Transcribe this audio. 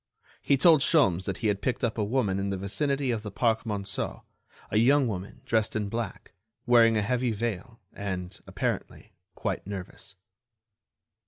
He told Sholmes that he had picked up a woman in the vicinity of the Parc Monceau, a young woman dressed in black, wearing a heavy veil, and, apparently, quite nervous.